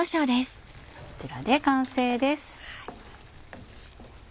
こちらで完成です。